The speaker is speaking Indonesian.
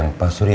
udah selesai bu